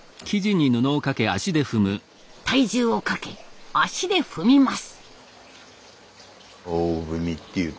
体重をかけ足で踏みます！